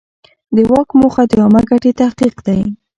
د واک موخه د عامه ګټې تحقق دی.